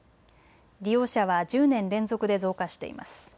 利用者は１０年連続で増加しています。